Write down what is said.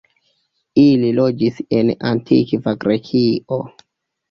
Ili loĝis en Antikva Grekio.